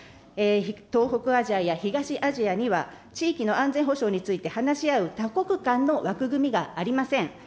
東北アジアや東アジアには、地域の安全保障について話し合う多国間の枠組みがありません。